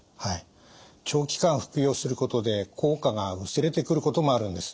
長期間服用することで効果が薄れてくることもあるんです。